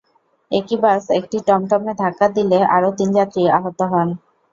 একই বাস একটি টমটমে ধাক্কা দিলে আরও তিন যাত্রী আহত হন।